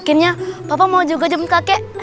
akhirnya papa mau jemput kakek